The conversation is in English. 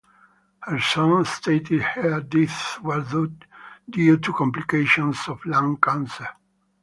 Her son stated her death was due to complications of lung cancer.